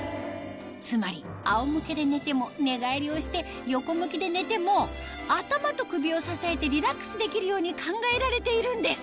つまりあおむけで寝ても寝返りをして横向きで寝ても頭と首を支えてリラックスできるように考えられているんです